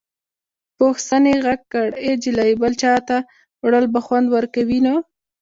پوخ سنې غږ کړ ای جلۍ بل چاته وړل به خوند ورکوي نو.